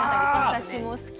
私も好き。